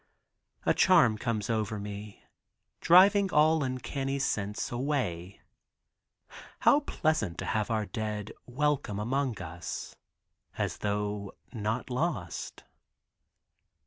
A charm comes over me driving all uncanny sense away. How pleasant to have our dead welcome among us, as though not lost.